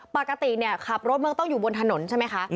ปกติเนี่ยขับรถมันก็ต้องอยู่บนถนนใช่ไหมคะ